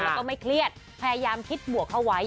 แล้วก็ไม่เครียดพยายามคิดบวกเข้าไว้